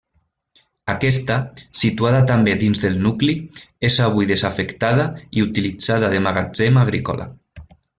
Aquesta, situada també dins del nucli, és avui desafectada i utilitzada de magatzem agrícola.